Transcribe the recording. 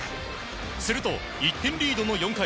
すると、１点リードの４回。